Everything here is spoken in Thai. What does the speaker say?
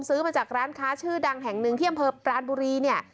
ซื้อมาจากร้านค้าชื่อดังแห่งหนึ่งที่อำเภอปรานบุรีเนี่ย